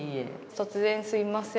突然すいません。